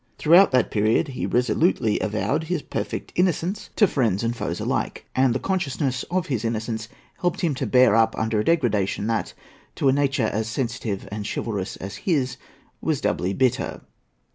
Throughout that period he resolutely avowed his perfect innocence, to friends and foes alike; and the consciousness of his innocence helped him to bear up under a degradation that, to a nature as sensitive and chivalrous as his, was doubly bitter.